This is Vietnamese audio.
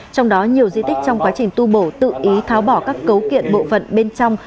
trong đó nhiều di tích trong quá trình tu bổ tự ý tháo bỏ các cấu kiện bộ phận bên trong